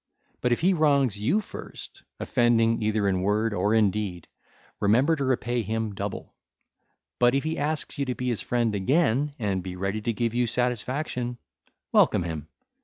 But if he wrongs you first, offending either in word or in deed, remember to repay him double; but if he ask you to be his friend again and be ready to give you satisfaction, welcome him.